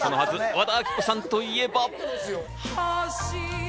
和田アキ子さんといえば。